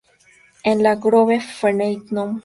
En la Große Freiheit num.